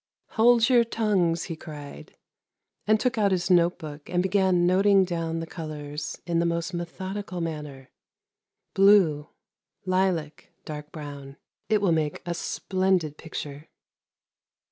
' Hold your tongues,' he cried, and took out his note book and began noting down the colours in the most methodical manner, ' Blue, lilac, dark brown. It will make a splendid picture.'